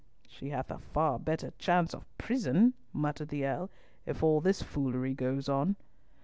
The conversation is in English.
"She hath a far better chance of a prison," muttered the Earl, "if all this foolery goes on."